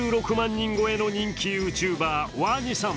人超えのＹｏｕＴｕｂｅｒ・鰐さん。